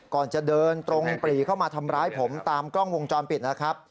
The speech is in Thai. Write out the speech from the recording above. ก่อนจะเดินตรงปรีเข้ามาทำร้ายผมตามกล้องวงจรปิดนะครับ